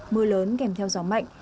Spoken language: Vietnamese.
mưa lớn kèm theo gió mạnh